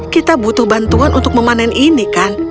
tidak aku butuh bantuan untuk memanen ini kan